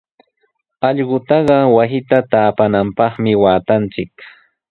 Allqutaqa wasita taapananpaqmi waatanchik.